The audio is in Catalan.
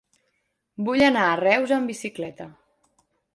Vull anar a Reus amb bicicleta.